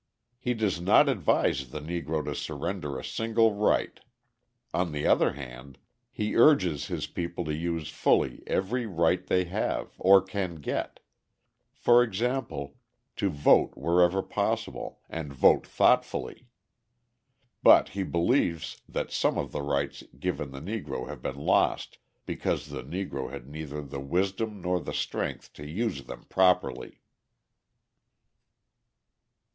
He does not advise the Negro to surrender a single right: on the other hand, he urges his people to use fully every right they have or can get for example, to vote wherever possible, and vote thoughtfully. But he believes that some of the rights given the Negro have been lost because the Negro had neither the wisdom nor the strength to use them properly.